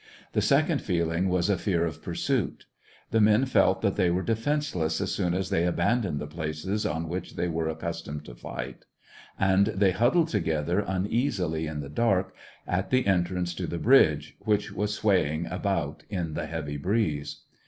The second feeling was a fear of pursuit. The men felt that they were defenceless as soon as they abandoned the places on which they were ac customed to fight, and they huddled together uneasily in the dark, at the entrance to the bridge, which was swaying about in the heavy breeze.